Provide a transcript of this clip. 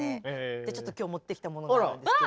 ちょっと今日持ってきたものがあるんですけど。